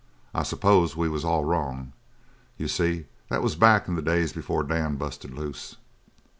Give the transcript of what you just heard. I s'pose we was all wrong. You see, that was back in the days before Dan busted loose.